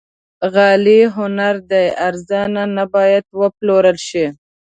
غالۍ هنر دی، ارزانه نه باید وپلورل شي.